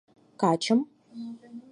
Качым!